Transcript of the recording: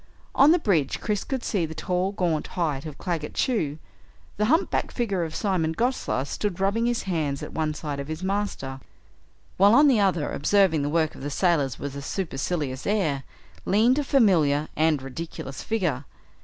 On the bridge Chris could see the tall gaunt height of Claggett Chew. The humpbacked figure of Simon Gosler stood rubbing his hands, at one side of his master, while on the other, observing the work of the sailors with a supercilious air, leaned a familiar and ridiculous figure.